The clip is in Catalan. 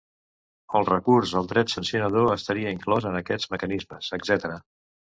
El recurs al dret sancionador estaria inclòs en aquests mecanismes, etc.